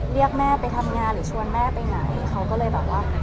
เรียกแม่ไปทำงานหรือชวนแม่ไปไหนเขาก็เลยแบบว่า